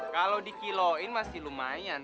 kalau dikilauin masih lumayan